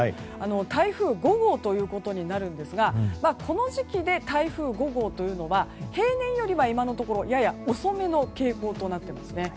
台風５号ということになるんですがこの時期で台風５号というのは平年よりは今のところ遅めの傾向となっています。